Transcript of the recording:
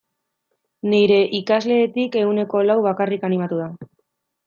Nire ikasleetatik ehuneko lau bakarrik animatu da.